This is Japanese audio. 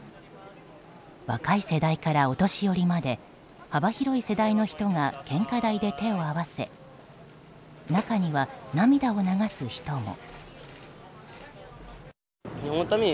若い世代からお年寄りまで幅広い世代の人が献花台で手を合わせ中には涙を流す人も。